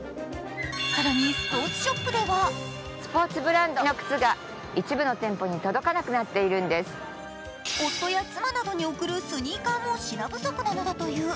更に、スポーツショップでは夫や妻などに贈るスニーカーも品不足なのだという。